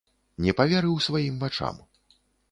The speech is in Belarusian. Не паверыў сваім вачам.